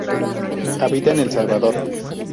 Habita en El Salvador.